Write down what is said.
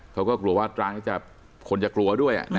เขาก็กลัวว่าร้านนี้จะคนจะกลัวด้วยอ่ะนะ